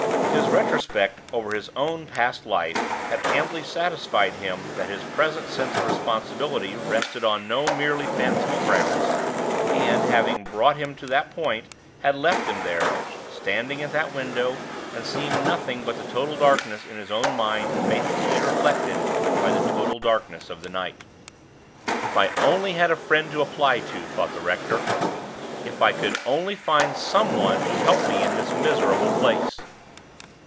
His retrospect over his own past life had amply satisfied him that his present sense of responsibility rested on no merely fanciful grounds, and, having brought him to that point, had left him there, standing at the window, and seeing nothing but the total darkness in his own mind faithfully reflected by the total darkness of the night. "If I only had a friend to apply to!" thought the rector. "If I could only find some one to help me in this miserable place!"